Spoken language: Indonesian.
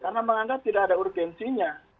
karena menganggap tidak ada urgensinya